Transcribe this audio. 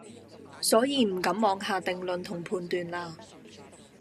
所以唔敢妄下定論同判斷啦